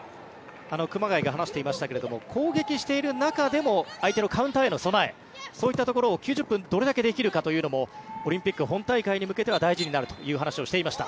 熊谷が話していましたが攻撃している中でも相手のカウンターへの備えそういったところを９０分、どれだけできるかもオリンピック本大会に向けては大事になるという話をしていました。